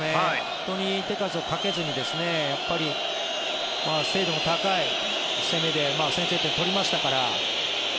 本当に手数をかけずに精度の高い攻めで先制点を取りましたから。